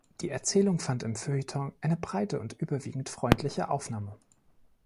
Die Erzählung fand im Feuilleton eine breite und überwiegend freundliche Aufnahme.